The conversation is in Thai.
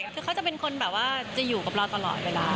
คือเขาจะเป็นคนแบบว่าจะอยู่กับเราตลอดเวลา